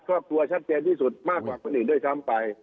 ครอบครัวชัดเจนที่สุดมากกว่าคนอื่นด้วยซ้ำไป